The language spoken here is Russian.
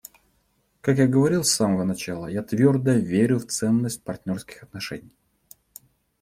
Как я говорил с самого начала, я твердо верю в ценность партнерских отношений.